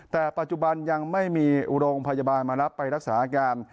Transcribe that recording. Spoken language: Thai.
แต่ปัจจุบันยังไม่มีโรงพยาบาลมารับไปรักษาอาการ